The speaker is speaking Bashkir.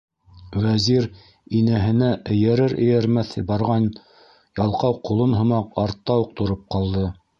Вәзир, инәһенә эйәрер-эйәрмәҫ барған ялҡау ҡолон һымаҡ, артта уҡ тороп ҡалды.